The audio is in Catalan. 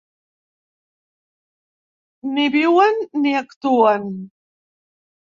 Ni viuen ni actuen.